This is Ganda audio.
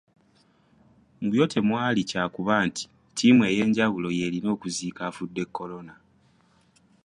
Mu byo temwali kyakuba nti ttiimu ey’enjawulo y’erina okuziika abafudde Corona.